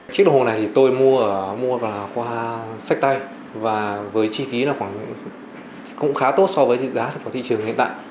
chiếc đồng hồ này thì tôi mua qua sách tay và với chi phí cũng khá tốt so với giá của thị trường hiện tại